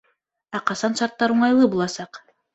Ә ҡасан шарттар уңайлы буласаҡ?